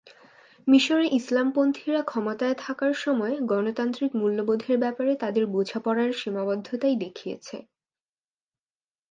মিসরে ইসলামপন্থীরা ক্ষমতায় থাকার সময় গণতান্ত্রিক মূল্যবোধের ব্যাপারে তাদের বোঝাপড়ার সীমাবদ্ধতাই দেখিয়েছে।